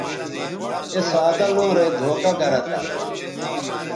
اے سادہ لوں رے دھوکہ گرہ تھہ